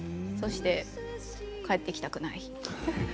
そして帰ってきたくない。